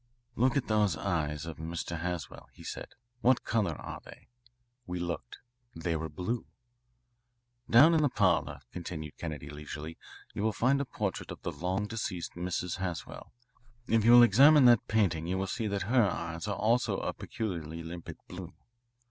"Look at those eyes of Mr. Haswell," he said. "What colour are they?" We looked. They were blue. "Down in the parlour," continued Kennedy leisurely, "you will find a portrait of the long deceased Mrs. Haswell. If you will examine that painting you will see that her eyes are also a peculiarly limpid blue.